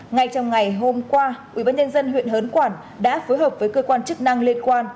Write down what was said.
ngay trong ngày hôm qua ubnd huyện hớn quản đã phối hợp với cơ quan chức năng liên quan